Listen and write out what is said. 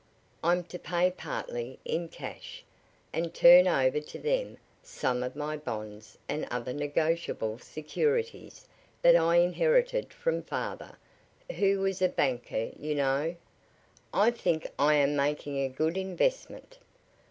I'm to pay partly in cash, and turn over to them some of my bonds and other negotiable securities that I inherited from father, who was a banker, you know. I think I am making a good investment."